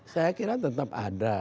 saya kira tetap ada